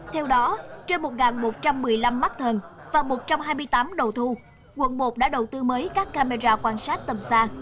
theo đó trên một một trăm một mươi năm mắt thần và một trăm hai mươi tám đầu thu quận một đã đầu tư mới các camera quan sát tầm xa